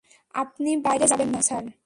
আপনি বাইরে যাবেন না, স্যার।